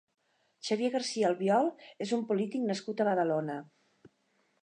Xavier García Albiol és un polític nascut a Badalona.